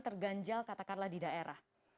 terganjal katakanlah di daerah